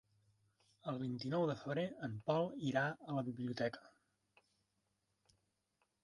El vint-i-nou de febrer en Pol irà a la biblioteca.